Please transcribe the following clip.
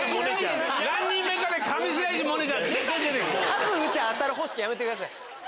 数撃ちゃ当たる方式やめてください。